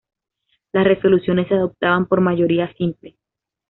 Las resoluciones se adoptaban por mayoría simple.